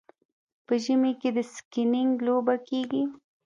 په ژمي کې د سکیینګ لوبه کیږي.